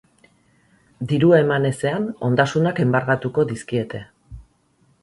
Dirua eman ezean, ondasunak enbargatuko dizkiete.